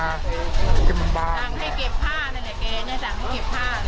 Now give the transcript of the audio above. สั่งให้เก็บผ้านั่นแหละแกเนี่ยสั่งให้เก็บผ้า